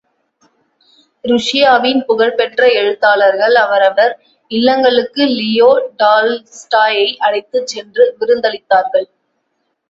ருஷ்யாவின் புகழ் பெற்ற எழுத்தாளர்கள், அவரவர் இல்லங்களுக்கு லியோ டால்ஸ்டாயை அழைத்துச் சென்று விருந்தளித்தார்கள்.